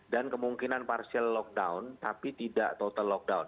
dan kemungkinan partial lockdown tapi tidak total lockdown